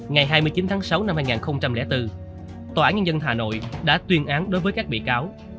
ngày hai mươi chín tháng sáu năm hai nghìn bốn tòa án nhân dân hà nội đã tuyên án đối với các bị cáo